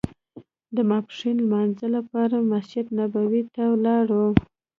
د ماسپښین لمانځه لپاره مسجد نبوي ته لاړو.